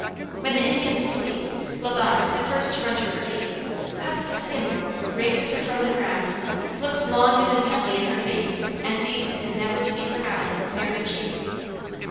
When the Indians flee, La Bonte, the first to run to her aid, cuts the skin rope, raises her from the ground, looks long and intently in her face, and sees his never to be forgotten Mary Chase.